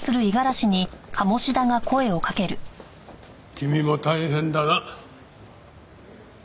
君も大変だな。